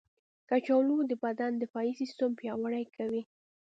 کچالو د بدن دفاعي سیستم پیاوړی کوي.